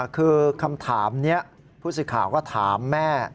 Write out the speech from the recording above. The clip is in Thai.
คือคำถามนี้ผู้สื่อข่าวก็ถามแม่